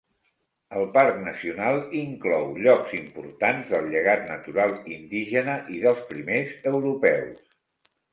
El parc nacional inclou llocs importants del llegat natural, indígena i dels primers europeus.